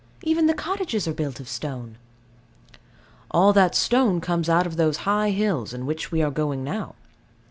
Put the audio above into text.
Even the cottages are built of stone. All that stone comes out of those high hills, into which we are going now.